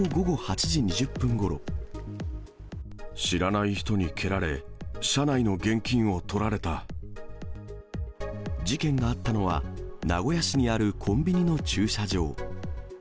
知らない人に蹴られ、事件があったのは、名古屋市にあるコンビニの駐車場。